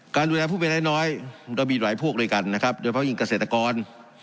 การดูแลผู้เป็นไร้น้อยเรามีหลายพวกด้วยกันนะครับโดยเพราะยิ่งเกษตรกร